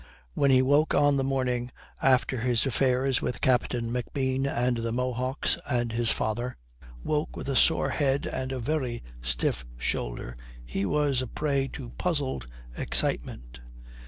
When he woke on the morning after his affairs with Captain McBean and the Mohocks and his father woke with a sore head and a very stiff shoulder, he was a prey to puzzled excitement.